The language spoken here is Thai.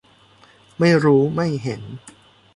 ไม่รู้ไม่เห็น